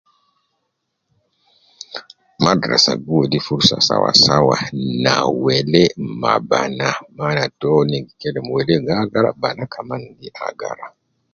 Madrasa gi wedi furusa sawa sawa na welee ma banaa. Maana to ne gi kelem welee ga agara banaa kaman ga agara.